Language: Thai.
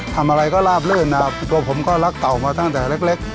ทำอะไรก็ลาบลื่นนะครับตัวผมก็รักเต่ามาตั้งแต่เล็ก